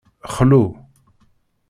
Xlu.